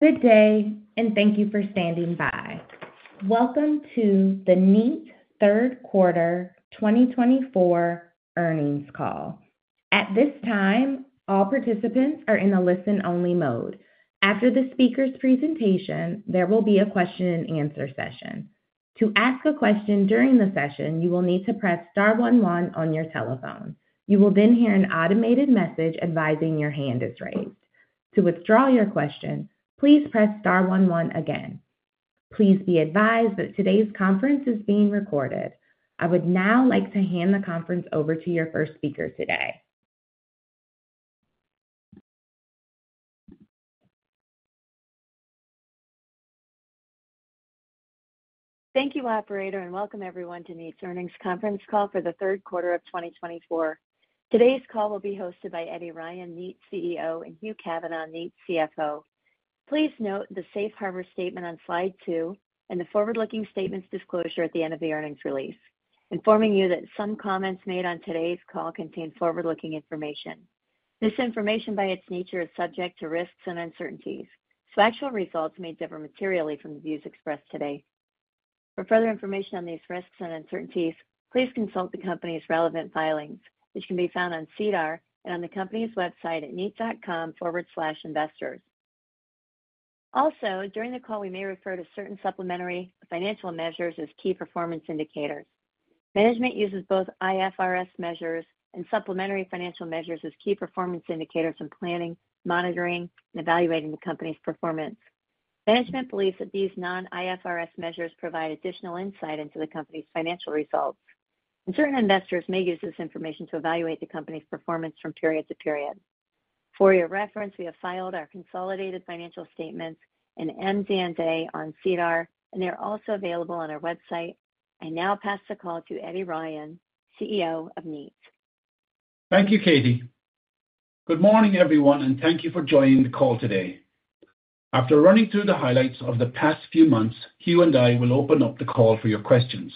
Good day, and thank you for standing by. Welcome to the Kneat third quarter 2024 earnings call. At this time, all participants are in a listen-only mode. After the speaker's presentation, there will be a question-and-answer session. To ask a question during the session, you will need to press star 11 on your telephone. You will then hear an automated message advising your hand is raised. To withdraw your question, please press star 11 again. Please be advised that today's conference is being recorded. I would now like to hand the conference over to your first speaker today. Thank you, Operator, and welcome everyone to Kneat.com's earnings conference call for the third quarter of 2024. Today's call will be hosted by Eddie Ryan, Kneat.com CEO, and Hugh Kavanagh, Kneat.com CFO. Please note the safe harbor statement on slide two and the forward-looking statements disclosure at the end of the earnings release, informing you that some comments made on today's call contain forward-looking information. This information, by its nature, is subject to risks and uncertainties, so actual results may differ materially from the views expressed today. For further information on these risks and uncertainties, please consult the company's relevant filings, which can be found on SEDAR+ and on the company's website at kneat.com/investors. Also, during the call, we may refer to certain supplementary financial measures as key performance indicators. Management uses both IFRS measures and supplementary financial measures as key performance indicators in planning, monitoring, and evaluating the company's performance. Management believes that these non-IFRS measures provide additional insight into the company's financial results, and certain investors may use this information to evaluate the company's performance from period to period. For your reference, we have filed our consolidated financial statements and MD&A on SEDAR+, and they're also available on our website. I now pass the call to Eddie Ryan, CEO of Kneat. Thank you, Katie. Good morning, everyone, and thank you for joining the call today. After running through the highlights of the past few months, Hugh and I will open up the call for your questions.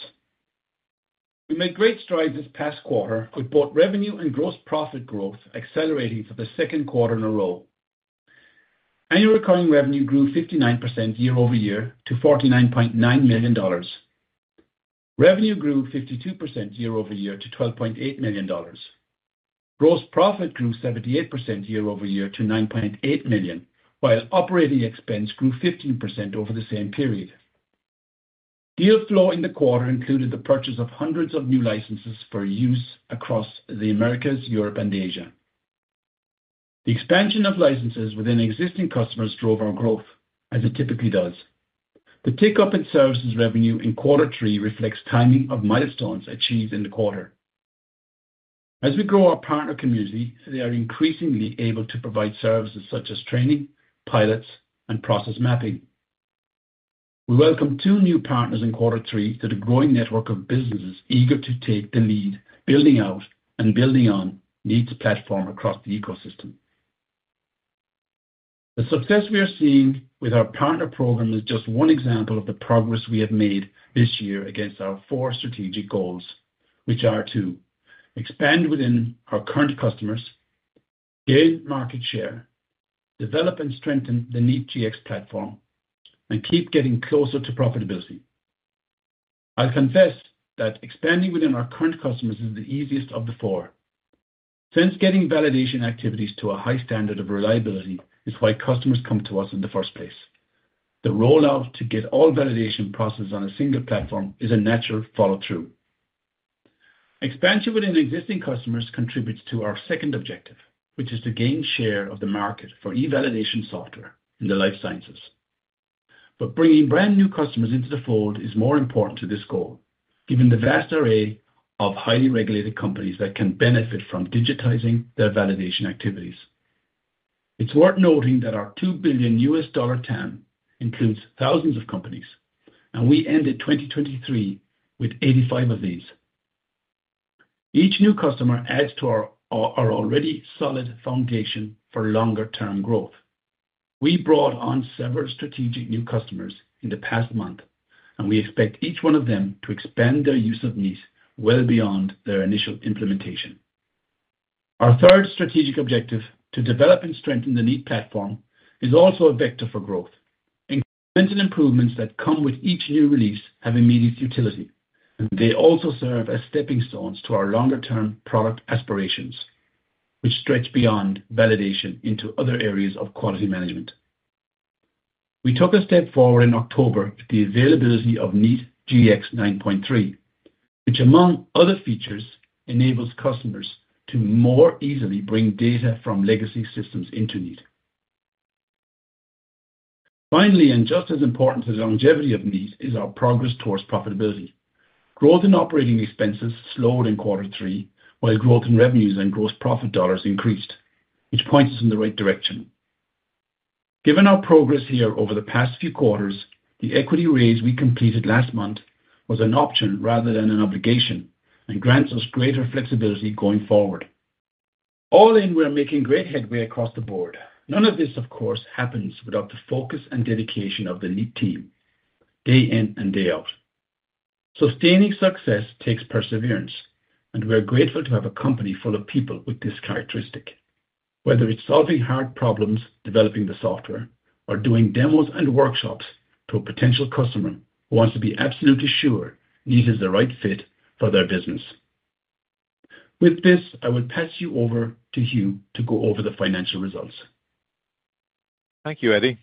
We made great strides this past quarter, with both revenue and gross profit growth accelerating for the second quarter in a row. Annual recurring revenue grew 59% year-over-year to 49.9 million dollars. Revenue grew 52% year-over-year to 12.8 million dollars. Gross profit grew 78% year-over-year to 9.8 million, while operating expense grew 15% over the same period. Deal flow in the quarter included the purchase of hundreds of new licenses for use across the Americas, Europe, and Asia. The expansion of licenses within existing customers drove our growth, as it typically does. The tick-up in services revenue in quarter three reflects timing of milestones achieved in the quarter. As we grow our partner community, they are increasingly able to provide services such as training, pilots, and process mapping. We welcome two new partners in quarter three to the growing network of businesses eager to take the lead, building out, and building on Kneat's platform across the ecosystem. The success we are seeing with our partner program is just one example of the progress we have made this year against our four strategic goals, which are to expand within our current customers, gain market share, develop and strengthen the Kneat Gx platform, and keep getting closer to profitability. I'll confess that expanding within our current customers is the easiest of the four, since getting validation activities to a high standard of reliability is why customers come to us in the first place. The rollout to get all validation processes on a single platform is a natural follow-through. Expansion within existing customers contributes to our second objective, which is to gain share of the market for e-validation software in the life sciences. Bringing brand new customers into the fold is more important to this goal, given the vast array of highly regulated companies that can benefit from digitizing their validation activities. It's worth noting that our $2 billion TAM includes thousands of companies, and we ended 2023 with 85 of these. Each new customer adds to our already solid foundation for longer-term growth. We brought on several strategic new customers in the past month, and we expect each one of them to expand their use of Kneat well beyond their initial implementation. Our third strategic objective, to develop and strengthen the Kneat platform, is also a vector for growth. Improvements that come with each new release have immediate utility, and they also serve as stepping stones to our longer-term product aspirations, which stretch beyond validation into other areas of quality management. We took a step forward in October with the availability of Kneat Gx 9.3, which, among other features, enables customers to more easily bring data from legacy systems into Kneat. Finally, and just as important to the longevity of Kneat is our progress towards profitability. Growth in operating expenses slowed in quarter three, while growth in revenues and gross profit dollars increased, which points us in the right direction. Given our progress here over the past few quarters, the equity raise we completed last month was an option rather than an obligation and grants us greater flexibility going forward. All in, we're making great headway across the board. None of this, of course, happens without the focus and dedication of the Kneat team day in and day out. Sustaining success takes perseverance, and we're grateful to have a company full of people with this characteristic, whether it's solving hard problems, developing the software, or doing demos and workshops to a potential customer who wants to be absolutely sure Kneat is the right fit for their business. With this, I will pass you over to Hugh to go over the financial results. Thank you, Eddie.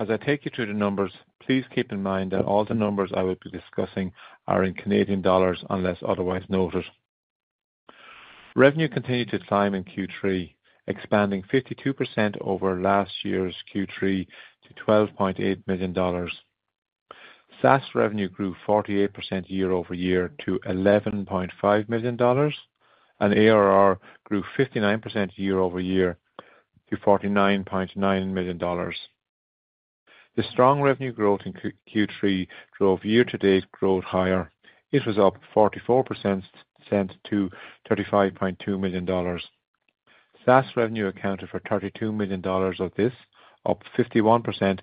As I take you through the numbers, please keep in mind that all the numbers I will be discussing are in Canadian dollars unless otherwise noted. Revenue continued to climb in Q3, expanding 52% over last year's Q3 to 12.8 million dollars. SaaS revenue grew 48% year-over-year to 11.5 million dollars, and ARR grew 59% year-over-year to 49.9 million dollars. The strong revenue growth in Q3 drove year-to-date growth higher. It was up 44% to 35.2 million dollars. SaaS revenue accounted for 32 million dollars of this, up 51%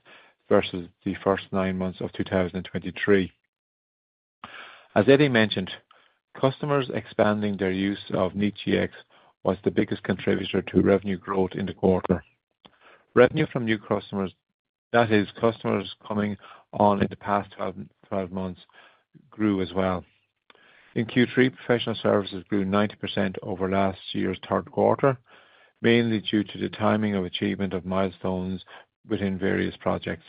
versus the first nine months of 2023. As Eddie mentioned, customers expanding their use of Kneat Gx was the biggest contributor to revenue growth in the quarter. Revenue from new customers, that is, customers coming on in the past 12 months, grew as well. In Q3, professional services grew 90% over last year's third quarter, mainly due to the timing of achievement of milestones within various projects.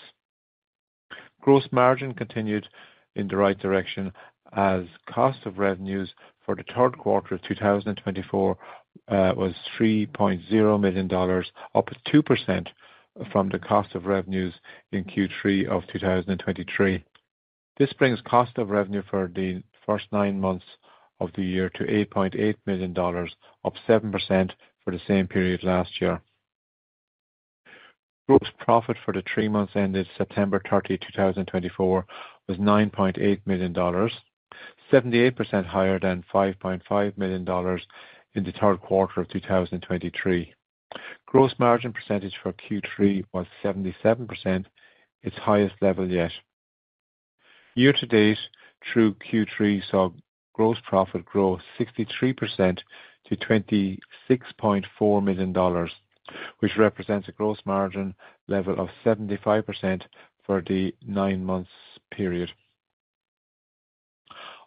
Gross margin continued in the right direction as cost of revenues for the third quarter of 2024 was 3.0 million dollars, up 2% from the cost of revenues in Q3 of 2023. This brings cost of revenue for the first nine months of the year to 8.8 million dollars, up 7% for the same period last year. Gross profit for the three months ended September 30, 2024, was 9.8 million dollars, 78% higher than 5.5 million dollars in the third quarter of 2023. Gross margin percentage for Q3 was 77%, its highest level yet. Year-to-date through Q3 saw gross profit grow 63% to 26.4 million dollars, which represents a gross margin level of 75% for the nine-month period.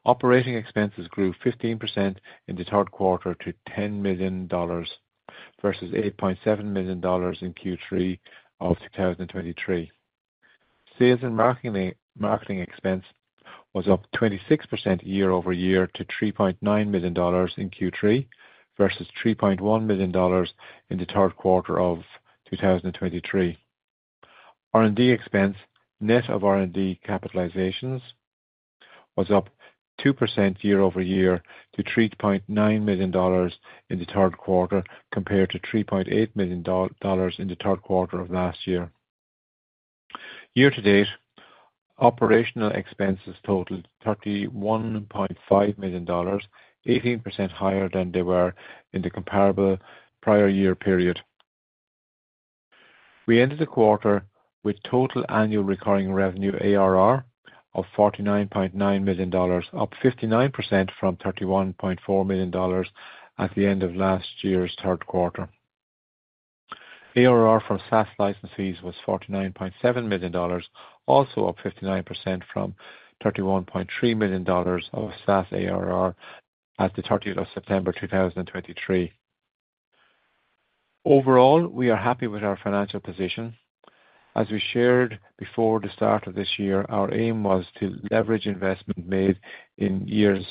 Operating expenses grew 15% in the third quarter to 10 million dollars versus 8.7 million dollars in Q3 of 2023. Sales and marketing expense was up 26% year over year to 3.9 million dollars in Q3 versus 3.1 million dollars in the third quarter of 2023. R&D expense, net of R&D capitalizations, was up 2% year-over-year to 3.9 million dollars in the third quarter compared to 3.8 million dollars in the third quarter of last year. Year-to-date, operational expenses totaled 31.5 million dollars, 18% higher than they were in the comparable prior year period. We ended the quarter with total annual recurring revenue ARR of 49.9 million dollars, up 59% from 31.4 million dollars at the end of last year's third quarter. ARR from SaaS licenses was 49.7 million dollars, also up 59% from 31.3 million dollars of SaaS ARR at the 30th of September 2023. Overall, we are happy with our financial position. As we shared before the start of this year, our aim was to leverage investment made in years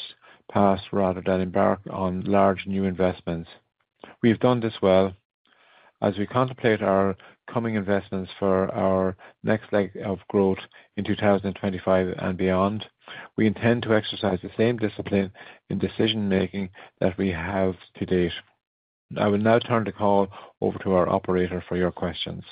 past rather than embark on large new investments. We've done this well. As we contemplate our coming investments for our next leg of growth in 2025 and beyond, we intend to exercise the same discipline in decision-making that we have to date. I will now turn the call over to our operator for your questions.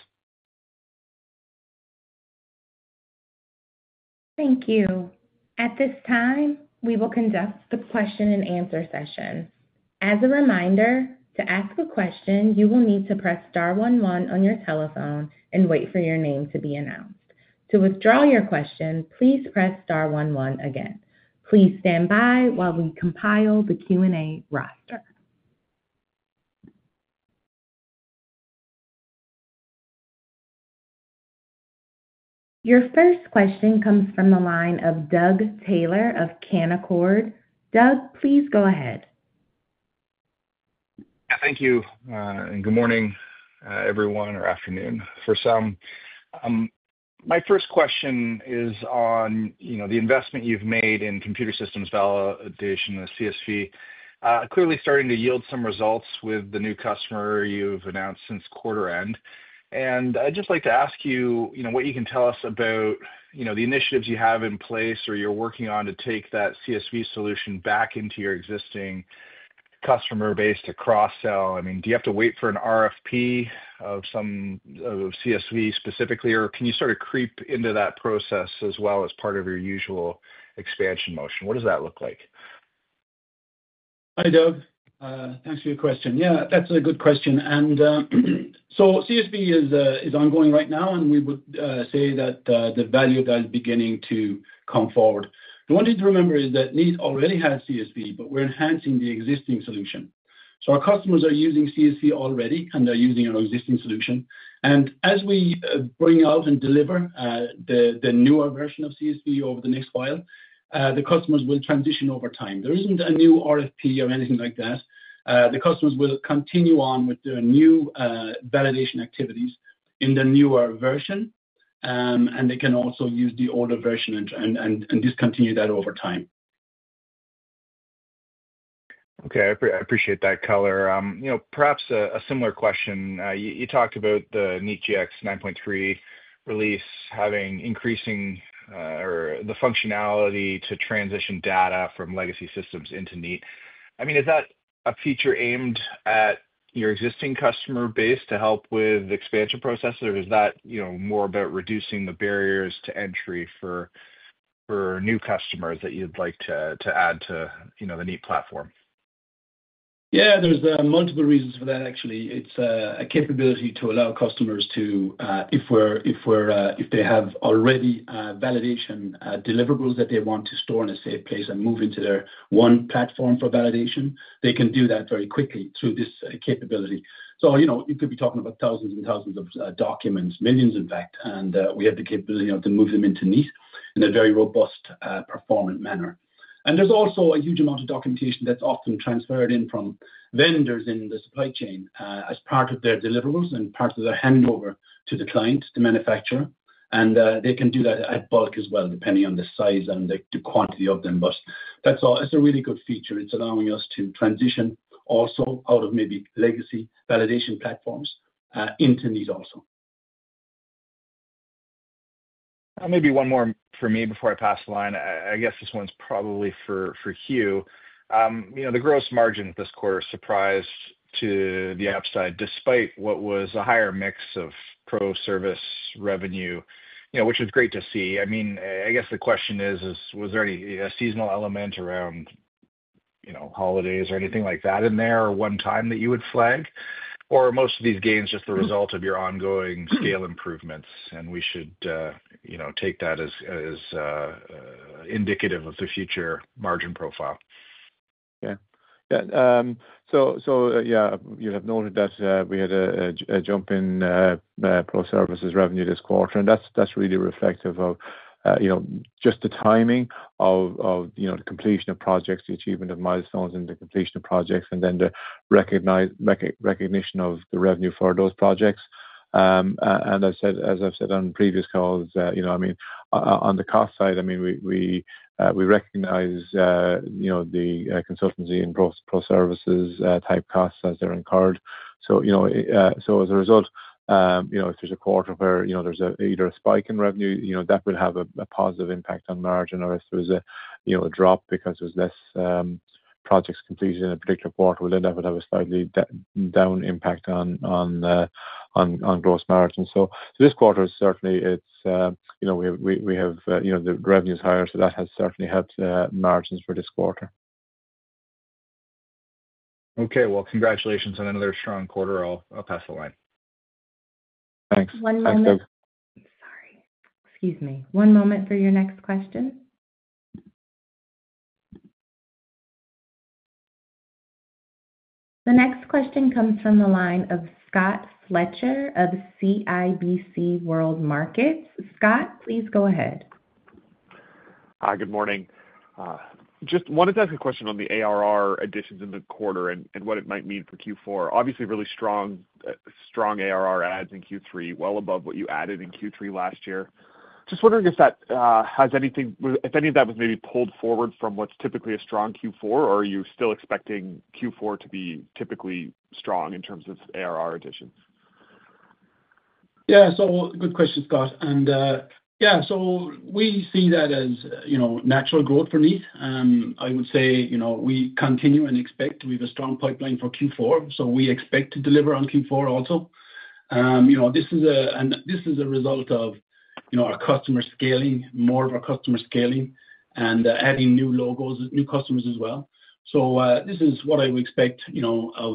Thank you. At this time, we will conduct the question-and-answer session. As a reminder, to ask a question, you will need to press star 11 on your telephone and wait for your name to be announced. To withdraw your question, please press star 11 again. Please stand by while we compile the Q&A roster. Your first question comes from the line of Doug Taylor of Canaccord. Doug, please go ahead. Yeah, thank you and good morning, everyone, or afternoon for some. My first question is on the investment you've made in computer systems validation, the CSV. Clearly starting to yield some results with the new customer you've announced since quarter end. I'd just like to ask you what you can tell us about the initiatives you have in place or you're working on to take that CSV solution back into your existing customer base to cross-sell. I mean, do you have to wait for an RFP of some CSV specifically, or can you sort of creep into that process as well as part of your usual expansion motion? What does that look like? Hi, Doug. Thanks for your question. Yeah, that's a good question. CSV is ongoing right now, and we would say that the value is beginning to come forward. The one thing to remember is that Kneat already has CSV, but we're enhancing the existing solution. Our customers are using CSV already, and they're using our existing solution. As we bring out and deliver the newer version of CSV over the next while, the customers will transition over time. There isn't a new RFP or anything like that. The customers will continue on with their new validation activities in the newer version, and they can also use the older version and discontinue that over time. Okay, I appreciate that color. Perhaps a similar question. You talked about the Kneat Gx 9.3 release having increasing or the functionality to transition data from legacy systems into Kneat. I mean, is that a feature aimed at your existing customer base to help with expansion processes, or is that more about reducing the barriers to entry for new customers that you'd like to add to the Kneat platform? Yeah, there's multiple reasons for that, actually. It's a capability to allow customers to, if they have already validation deliverables that they want to store in a safe place and move into their one platform for validation, they can do that very quickly through this capability. So you could be talking about thousands and thousands of documents, millions, in fact, and we have the capability to move them into Kneat in a very robust, performant manner. And there's also a huge amount of documentation that's often transferred in from vendors in the supply chain as part of their deliverables and part of their handover to the client, the manufacturer. And they can do that at bulk as well, depending on the size and the quantity of them. But that's a really good feature. It's allowing us to transition also out of maybe legacy validation platforms into Kneat also. Maybe one more for me before I pass the line. I guess this one's probably for Hugh. The gross margin this quarter surprised to the upside despite what was a higher mix of pro-service revenue, which is great to see. I mean, I guess the question is, was there any seasonal element around holidays or anything like that in there or one time that you would flag, or are most of these gains just the result of your ongoing scale improvements, and we should take that as indicative of the future margin profile. Yeah. Yeah. So yeah, you have noted that we had a jump in pro-services revenue this quarter, and that's really reflective of just the timing of the completion of projects, the achievement of milestones and the completion of projects, and then the recognition of the revenue for those projects. And as I've said on previous calls, I mean, on the cost side, I mean, we recognize the consultancy and pro-services type costs as they're incurred. So as a result, if there's a quarter where there's either a spike in revenue, that would have a positive impact on margin, or if there was a drop because there were less projects completed in a particular quarter, we'll end up with a slightly down impact on gross margin. So this quarter, certainly, we have the revenues higher, so that has certainly helped margins for this quarter. Okay. Well, congratulations on another strong quarter. I'll pass the line. Thanks. One moment. Thanks, Doug. Sorry. Excuse me. One moment for your next question. The next question comes from the line of Scott Fletcher of CIBC World Markets. Scott, please go ahead. Hi, good morning. Just wanted to ask a question on the ARR additions in the quarter and what it might mean for Q4. Obviously, really strong ARR adds in Q3, well above what you added in Q3 last year. Just wondering if any of that was maybe pulled forward from what's typically a strong Q4, or are you still expecting Q4 to be typically strong in terms of ARR additions? Yeah. So, good question, Scott, and yeah, so we see that as natural growth for Kneat. I would say we continue and expect we have a strong pipeline for Q4, so we expect to deliver on Q4 also. This is a result of our customer scaling, more of our customer scaling, and adding new logos, new customers as well, so this is what I would expect of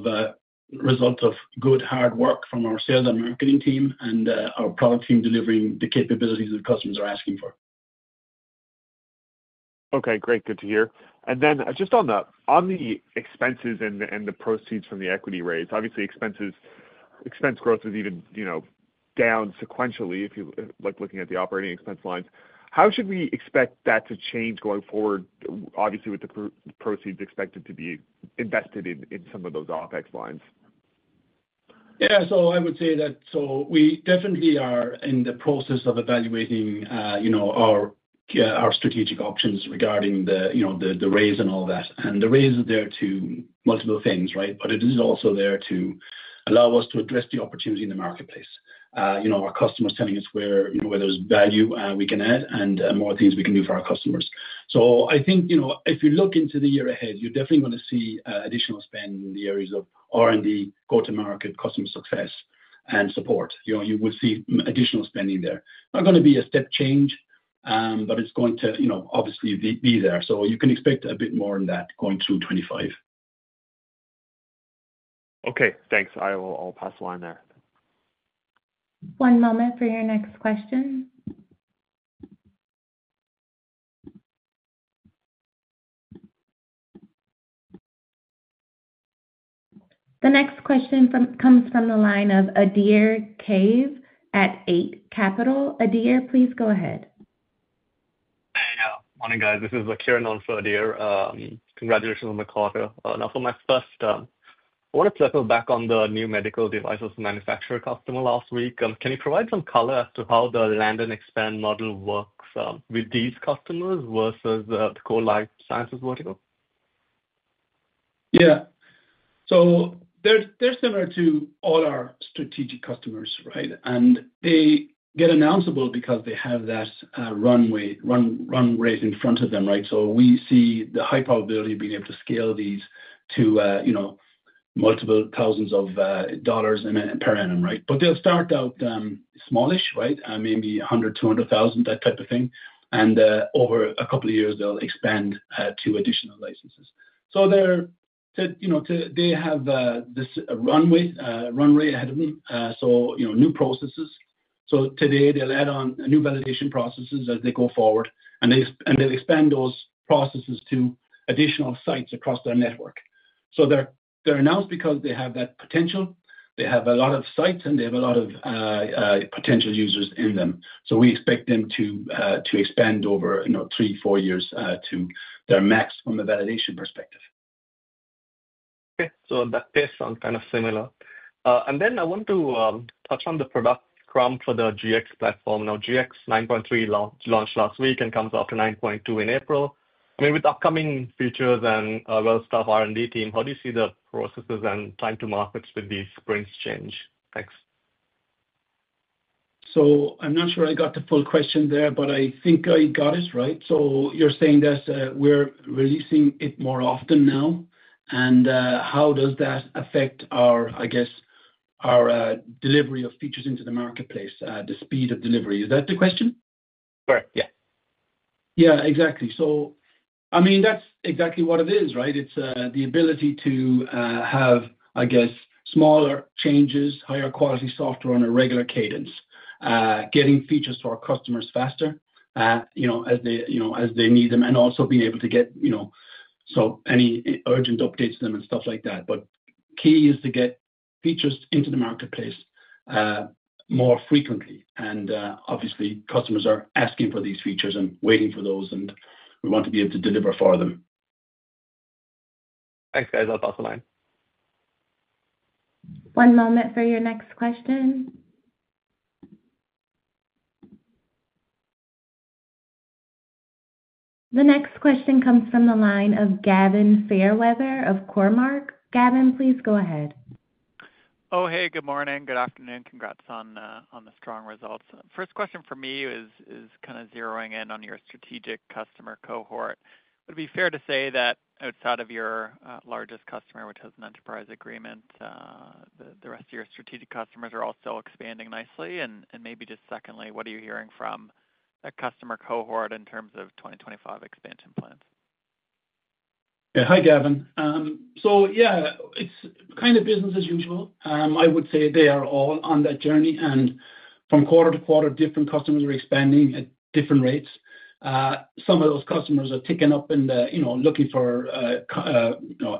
the result of good hard work from our sales and marketing team and our product team delivering the capabilities that customers are asking for. Okay, great. Good to hear. And then just on the expenses and the proceeds from the equity raise, obviously, expense growth is even down sequentially, looking at the operating expense lines. How should we expect that to change going forward, obviously, with the proceeds expected to be invested in some of those OpEx lines? Yeah. So I would say that we definitely are in the process of evaluating our strategic options regarding the raise and all that. And the raise is there to multiple things, right? But it is also there to allow us to address the opportunity in the marketplace. Our customers telling us where there's value we can add and more things we can do for our customers. So I think if you look into the year ahead, you're definitely going to see additional spend in the areas of R&D, go-to-market, customer success, and support. You will see additional spending there. Not going to be a step change, but it's going to obviously be there. So you can expect a bit more in that going through 2025. Okay. Thanks. I'll pass the line there. One moment for your next question. The next question comes from the line of Adhir Kadve at Eight Capital. Adhir, please go ahead. Hi, morning, guys. This is Kiran on for Adhir. Congratulations on the quarter. Now, for my first, I want to circle back on the new medical devices manufacturer customer last week. Can you provide some color as to how the Land and Expand model works with these customers versus the core life sciences vertical? Yeah. So they're similar to all our strategic customers, right? And they get announceable because they have that runway in front of them, right? So we see the high probability of being able to scale these to multiple thousands of dollars per annum, right? But they'll start out smallish, right? Maybe 100,000-200,000, that type of thing. And over a couple of years, they'll expand to additional licenses. So they have this runway ahead of them, so new processes. So today, they'll add on new validation processes as they go forward, and they'll expand those processes to additional sites across their network. So they're announced because they have that potential. They have a lot of sites, and they have a lot of potential users in them. So we expect them to expand over three, four years to their max from a validation perspective. That takes kind of similar, and then I want to touch on the product roadmap for the Gx platform. Gx 9.3 launched last week and comes after 9.2 in April. I mean, with upcoming features and well-staffed R&D team, how do you see the processes and time to markets with these sprints change? Thanks. So I'm not sure I got the full question there, but I think I got it right. So you're saying that we're releasing it more often now, and how does that affect our, I guess, delivery of features into the marketplace, the speed of delivery? Is that the question? Correct. Yeah. Yeah, exactly. So I mean, that's exactly what it is, right? It's the ability to have, I guess, smaller changes, higher quality software on a regular cadence, getting features to our customers faster as they need them, and also being able to get any urgent updates to them and stuff like that. But the key is to get features into the marketplace more frequently. And obviously, customers are asking for these features and waiting for those, and we want to be able to deliver for them. Thanks, guys. I'll pass the line. One moment for your next question. The next question comes from the line of Gavin Fairweather of Cormark. Gavin, please go ahead. Oh, hey, good morning. Good afternoon. Congrats on the strong results. First question for me is kind of zeroing in on your strategic customer cohort. Would it be fair to say that outside of your largest customer, which has an enterprise agreement, the rest of your strategic customers are also expanding nicely, and maybe just secondly, what are you hearing from that customer cohort in terms of 2025 expansion plans? Yeah. Hi, Gavin, so yeah, it's kind of business as usual. I would say they are all on that journey, and from quarter to quarter, different customers are expanding at different rates. Some of those customers are ticking up and looking for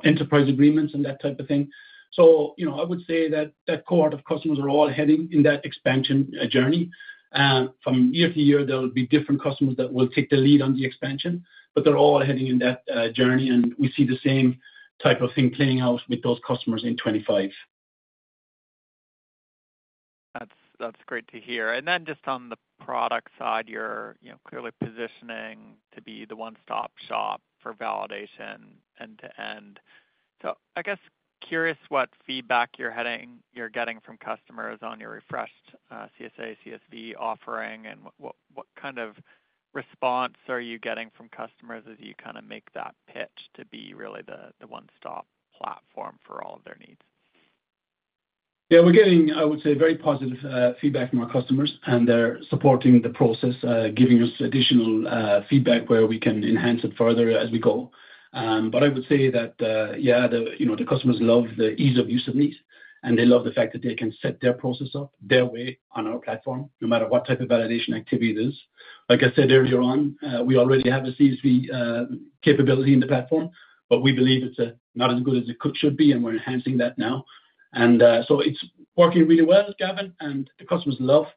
enterprise agreements and that type of thing, so I would say that that cohort of customers are all heading in that expansion journey. From year to year, there will be different customers that will take the lead on the expansion, but they're all heading in that journey, and we see the same type of thing playing out with those customers in 2025. That's great to hear. And then just on the product side, you're clearly positioning to be the one-stop shop for validation end-to-end. So I guess curious what feedback you're getting from customers on your refreshed CSA, CSV offering, and what kind of response are you getting from customers as you kind of make that pitch to be really the one-stop platform for all of their needs? Yeah, we're getting, I would say, very positive feedback from our customers, and they're supporting the process, giving us additional feedback where we can enhance it further as we go. But I would say that, yeah, the customers love the ease of use of Kneat, and they love the fact that they can set their process up their way on our platform, no matter what type of validation activity it is. Like I said earlier on, we already have a CSV capability in the platform, but we believe it's not as good as it should be, and we're enhancing that now. And so it's working really well, Gavin, and the customers love the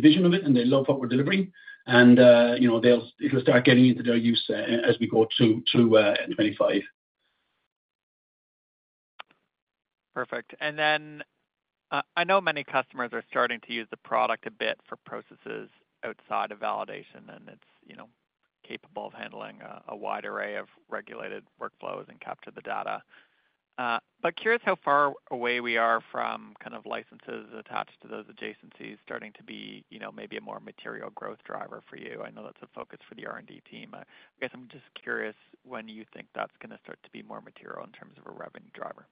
vision of it, and they love what we're delivering. And it'll start getting into their use as we go through 2025. Perfect. And then I know many customers are starting to use the product a bit for processes outside of validation, and it's capable of handling a wide array of regulated workflows and capture the data. But curious how far away we are from kind of licenses attached to those adjacencies starting to be maybe a more material growth driver for you? I know that's a focus for the R&D team. I guess I'm just curious when you think that's going to start to be more material in terms of a revenue driver?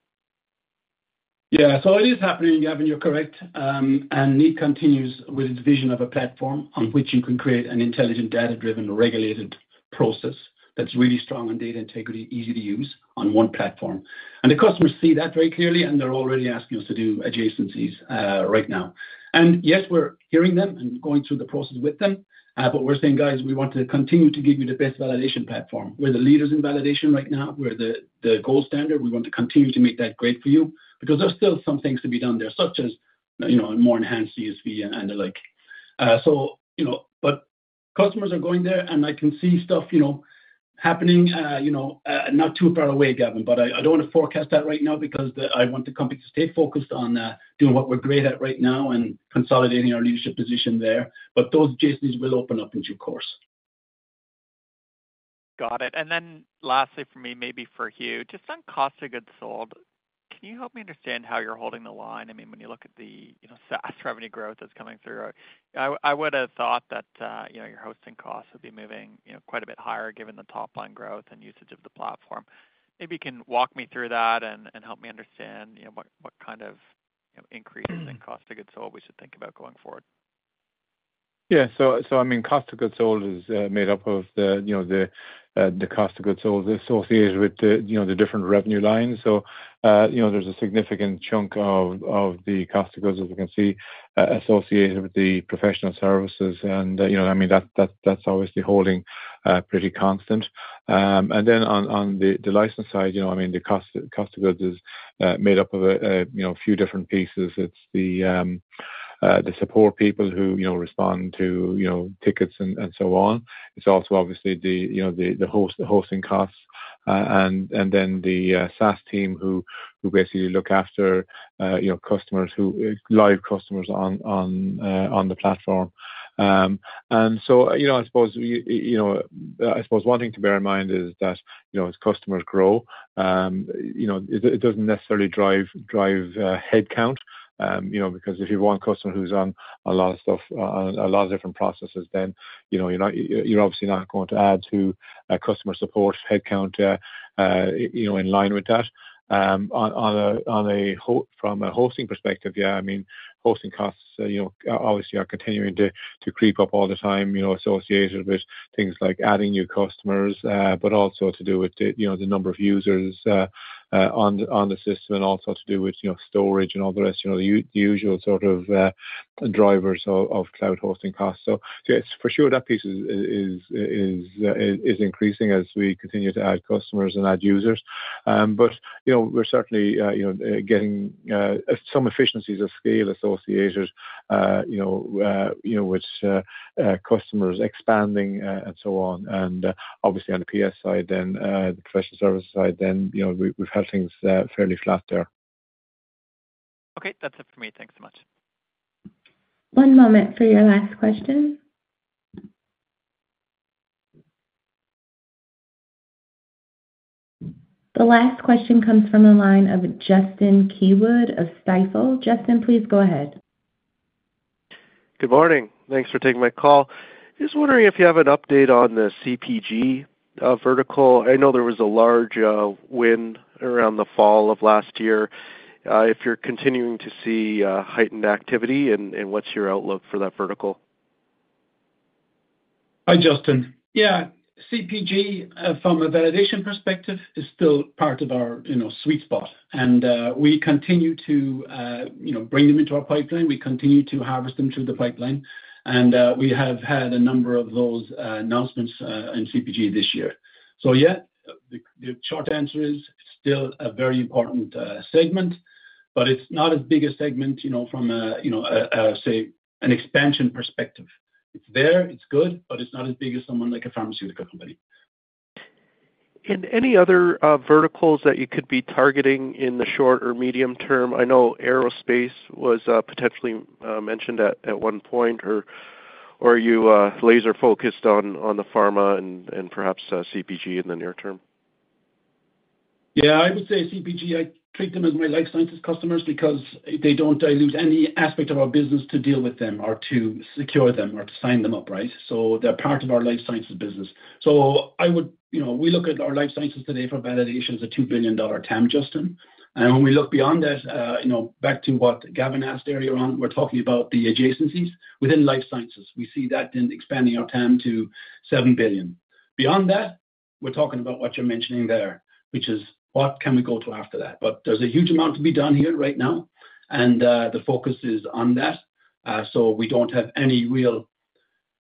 Yeah. So it is happening, Gavin. You're correct. And Kneat continues with its vision of a platform on which you can create an intelligent data-driven regulated process that's really strong on data integrity, easy to use on one platform. And the customers see that very clearly, and they're already asking us to do adjacencies right now. And yes, we're hearing them and going through the process with them, but we're saying, "Guys, we want to continue to give you the best validation platform. We're the leaders in validation right now. We're the gold standard. We want to continue to make that great for you because there's still some things to be done there, such as a more enhanced CSV and the like." but customers are going there, and I can see stuff happening not too far away, Gavin, but I don't want to forecast that right now because I want the company to stay focused on doing what we're great at right now and consolidating our leadership position there, but those adjacencies will open up in due course. Got it. And then lastly for me, maybe for Hugh, just on cost of goods sold, can you help me understand how you're holding the line? I mean, when you look at the SaaS revenue growth that's coming through, I would have thought that your hosting costs would be moving quite a bit higher given the top-line growth and usage of the platform. Maybe you can walk me through that and help me understand what kind of increases in cost of goods sold we should think about going forward. Yeah, so I mean, cost of goods sold is made up of the cost of goods sold associated with the different revenue lines. So there's a significant chunk of the cost of goods, as you can see, associated with the professional services, and I mean, that's obviously holding pretty constant. And then on the license side, I mean, the cost of goods is made up of a few different pieces. It's the support people who respond to tickets and so on. It's also, obviously, the hosting costs and then the SaaS team who basically look after customers, live customers on the platform. And so, I suppose one thing to bear in mind is that as customers grow, it doesn't necessarily drive headcount because if you have one customer who's on a lot of stuff, a lot of different processes, then you're obviously not going to add to customer support headcount in line with that. From a hosting perspective, yeah, I mean, hosting costs obviously are continuing to creep up all the time associated with things like adding new customers, but also to do with the number of users on the system and also to do with storage and all the rest of the usual sort of drivers of cloud hosting costs. So for sure, that piece is increasing as we continue to add customers and add users. But we're certainly getting some efficiencies of scale associated with customers expanding and so on. Obviously, on the PS side, then the professional service side, then we've had things fairly flat there. Okay. That's it for me. Thanks so much. One moment for your last question. The last question comes from the line of Justin Keywood of Stifel. Justin, please go ahead. Good morning. Thanks for taking my call. Just wondering if you have an update on the CPG vertical. I know there was a large win around the fall of last year. If you're continuing to see heightened activity, and what's your outlook for that vertical? Hi, Justin. Yeah. CPG, from a validation perspective, is still part of our sweet spot, and we continue to bring them into our pipeline. We continue to harvest them through the pipeline, and we have had a number of those announcements in CPG this year, so yeah, the short answer is still a very important segment, but it's not as big a segment from, say, an expansion perspective. It's there. It's good, but it's not as big as someone like a pharmaceutical company. And any other verticals that you could be targeting in the short or medium term? I know aerospace was potentially mentioned at one point. Or are you laser-focused on the pharma and perhaps CPG in the near term? Yeah. I would say CPG, I treat them as my life sciences customers because they don't dilute any aspect of our business to deal with them or to secure them or to sign them up, right? So they're part of our life sciences business. So we look at our life sciences today for validation as a $2 billion TAM, Justin. And when we look beyond that, back to what Gavin asked earlier on, we're talking about the adjacencies within life sciences. We see that in expanding our TAM to $7 billion. Beyond that, we're talking about what you're mentioning there, which is what can we go to after that? But there's a huge amount to be done here right now, and the focus is on that. So we don't have any real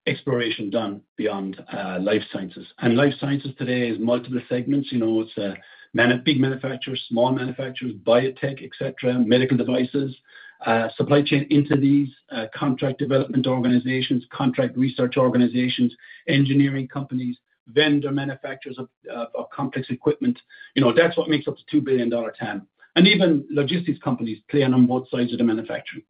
exploration done beyond life sciences. And life sciences today is multiple segments. It's big manufacturers, small manufacturers, biotech, etc., medical devices, supply chain entities, contract development organizations, contract research organizations, engineering companies, vendor manufacturers of complex equipment. That's what makes up the $2 billion TAM. And even logistics companies play on both sides of the manufacturing.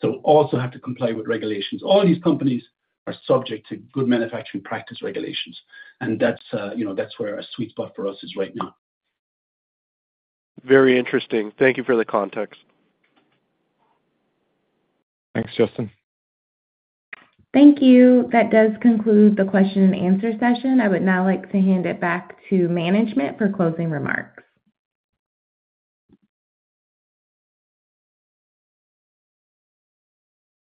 So also have to comply with regulations. All these companies are subject to Good Manufacturing Practice regulations. And that's where our sweet spot for us is right now. Very interesting. Thank you for the context. Thanks, Justin. Thank you. That does conclude the question-and-answer session. I would now like to hand it back to management for closing remarks.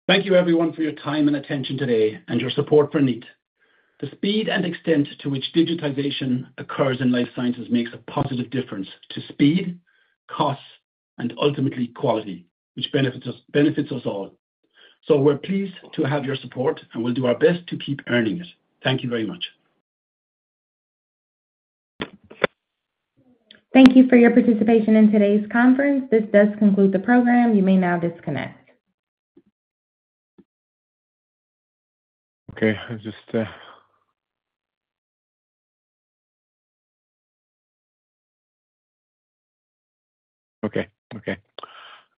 Thank you, everyone, for your time and attention today and your support for Kneat. The speed and extent to which digitization occurs in life sciences makes a positive difference to speed, cost, and ultimately quality, which benefits us all. So we're pleased to have your support, and we'll do our best to keep earning it. Thank you very much. Thank you for your participation in today's conference. This does conclude the program. You may now disconnect. Okay.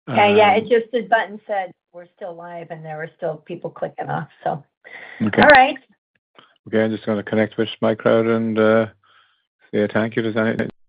Yeah. Yeah. It just said button said we're still live, and there were still people clicking off, so. Okay. All right. Okay. I'm just going to connect with my crowd and say thank you to. Right.